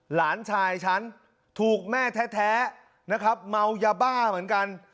หลานชายฉันถูกแม่แท้นะครับเมายาบ้าเหมือนกัน